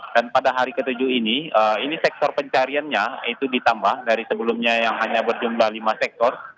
dan pada hari ke tujuh ini ini sektor pencariannya itu ditambah dari sebelumnya yang hanya berjumlah lima sektor